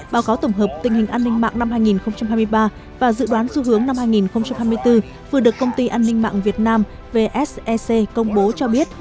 báo cáo tổng hợp tình hình an ninh mạng năm hai nghìn hai mươi ba và dự đoán xu hướng năm hai nghìn hai mươi bốn vừa được công ty an ninh mạng việt nam vsec công bố cho biết